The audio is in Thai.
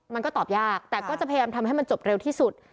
มันก็ตอบยากแต่ก็จะพยายามทำให้มันจบเร็วที่สุด